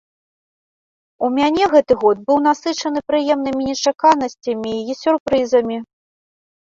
У мяне гэты год быў насычаны прыемнымі нечаканасцямі і сюрпрызамі.